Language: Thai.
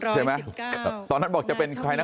ใช่ไหม